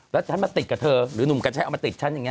แล้วฉันมาติดกับเธอหรือหนุ่มกัญชัยเอามาติดฉันอย่างนี้